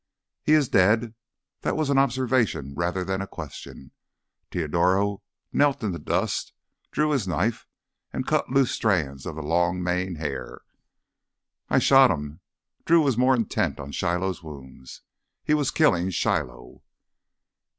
"He is dead." That was an observation rather than a question. Teodoro knelt in the dust, drew his knife and cut loose strands of the long mane hair. "I shot him." Drew was more intent on Shiloh's wounds. "He was killin' Shiloh."